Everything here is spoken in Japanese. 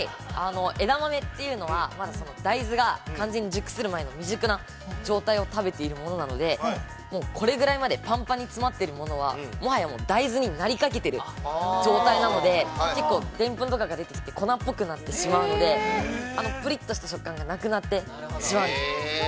◆枝豆というのは、まず、大豆が完全に熟する前の未熟な状態を食べているものなので、これぐらいまでパンパンに詰まっているものはもはや大豆になりかけている状態なので結構でんぷんとかが出てきて、粉っぽくなってくるので、ぷりっとした食感がなくなってしまうんです。